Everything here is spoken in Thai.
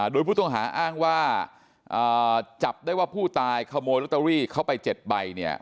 โดยผู้ต้องหาอ้างว่าจับได้ว่าผู้ตายขโมยลอตเตอรี่เข้าไป๗ใบเนี่ย